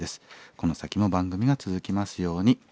この先も番組が続きますように」。